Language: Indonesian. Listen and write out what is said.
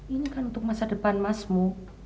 ini kan untuk masa depan masmu